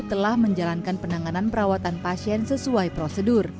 telah menjalankan penanganan perawatan pasien sesuai prosedur